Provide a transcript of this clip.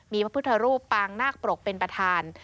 มีพระพุทธรูปปางนาคปรกเป็นประธาน